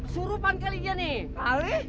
surupan kelingin nih